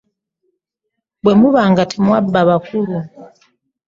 Bwemuba nga temwabba kalulu.